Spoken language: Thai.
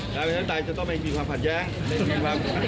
ใกล้นะื่นไทยจะต้องไปครีดภัณฑ์แหงนะในกำลัง